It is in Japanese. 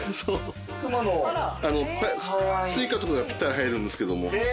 Ｓｕｉｃａとかがぴったり入るんですけども。